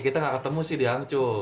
kita nggak ketemu sih di hangzhou